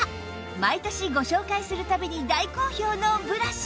毎年ご紹介する度に大好評のブラシ